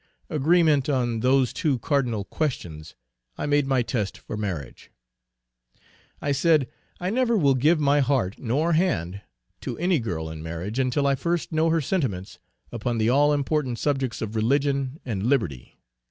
Agreement on those two cardinal questions I made my test for marriage. I said, "I never will give my heart nor hand to any girl in marriage, until I first know her sentiments upon the all important subjects of Religion and Liberty.